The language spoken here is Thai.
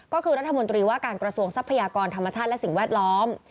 ก็คือรัฐมนตรีว่าการกระทรวงทรัพยากรธรรมชาติและสิ่งแวดล้อม